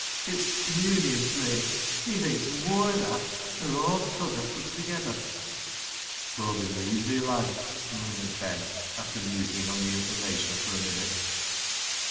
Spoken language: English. It's th' Communion plate. lie thinks mooar o' that nor aw th' t'other put together." " Aw believe thi, lad," murmured Ben, after musing on the information for a minute.